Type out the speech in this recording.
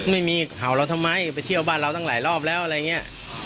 ไม่มีเห่าเราทำไมไปเที่ยวบ้านเราตั้งหลายรอบแล้วอะไรอย่างนี้